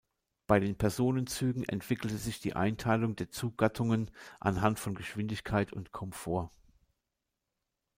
Bei den Personenzügen entwickelte sich die Einteilung der Zuggattungen anhand von Geschwindigkeit und Komfort.